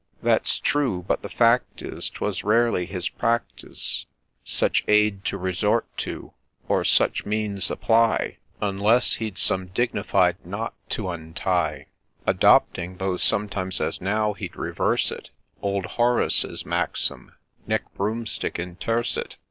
— That 's true — but the fact is 'Twas rarely his practice Such aid to resort to, or such means apply Unless he'd some ' dignified knot ' to untie, Adopting, though sometimes, as now, he'd reverse it, Old Horace's maxim, ' nee Broomstick intersit.'